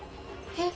えっ？